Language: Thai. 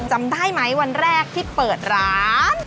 จำได้ไหมวันแรกที่เปิดร้าน